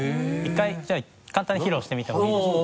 １回じゃあ簡単に披露してみてもいいですか？